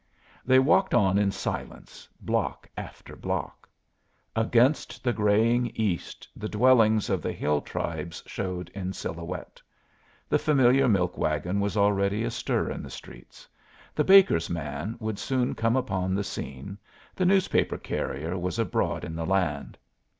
They walked on in silence, block after block. Against the graying east the dwellings of the hill tribes showed in silhouette. The familiar milk wagon was already astir in the streets; the baker's man would soon come upon the scene; the newspaper carrier was abroad in the land.